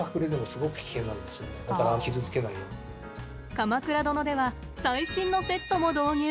「鎌倉殿」では最新のセットも導入。